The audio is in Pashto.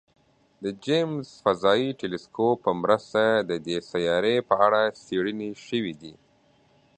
د جیمز فضايي ټیلسکوپ په مرسته د دې سیارې په اړه څېړنې شوي دي.